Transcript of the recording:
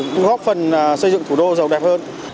góp phần xây dựng thủ đô giàu đẹp hơn